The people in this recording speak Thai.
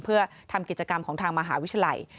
เพื่อทำกิจกรรมของทางมหาวิทยาลัย